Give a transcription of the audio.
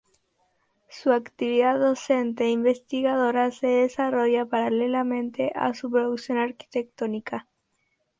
Su actividad docente e Investigadora se desarrolla paralelamente a su producción arquitectónica.